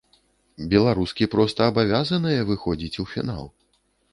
Беларускі проста абавязаныя выходзіць у фінал.